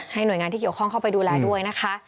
หน่วยงานที่เกี่ยวข้องเข้าไปดูแลด้วยนะคะ